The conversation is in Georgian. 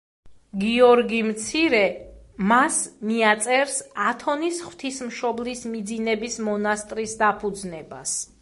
გიორგი მცირე მას მიაწერს ათონის ღვთისმშობლის მიძინების მონასტრის დაფუძნებას.